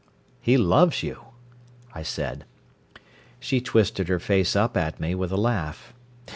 "He loves you," I said. She twisted her face up at me with a laugh.